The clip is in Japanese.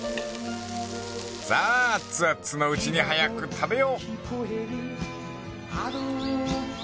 ［さあ熱々のうちに早く食べよう！］